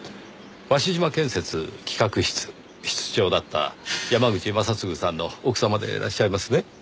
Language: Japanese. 鷲島建設企画室室長だった山口正嗣さんの奥様でいらっしゃいますね？